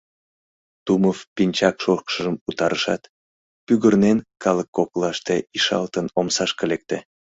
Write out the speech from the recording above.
— Тумов пинчак шокшыжым утарышат, пӱгырнен, калык коклаште ишалтын, омсашке лекте.